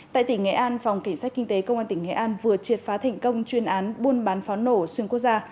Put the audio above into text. tại tỉnh nghệ an phòng cảnh sát kinh tế công an tỉnh nghệ an vừa triệt phá thành công chuyên án buôn bán pháo nổ xuyên quốc gia